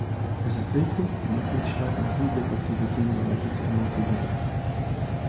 Es ist wichtig, die Mitgliedstaaten im Hinblick auf diese Themenbereiche zu ermutigen.